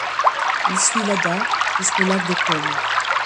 Il suit l'Adda jusqu'au lac de Côme.